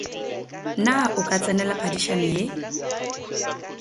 Na o ka tsenela phadišano ye?